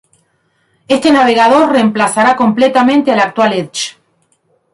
Este navegador reemplazará completamente al actual Edge.